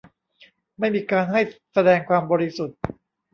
ไม่มีการให้แสดงความบริสุทธิ์